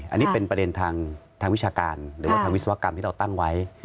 อันนี้เป็นประเด็นทางวิชาการหรือว่าทางวิศวกรรมที่เราตั้งไว้